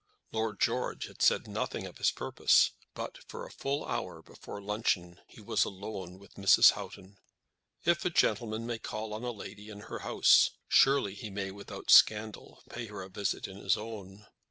Lord George had said nothing of his purpose; but for a full hour before luncheon he was alone with Mrs. Houghton. If a gentleman may call on a lady in her house, surely he may, without scandal, pay her a visit in his own.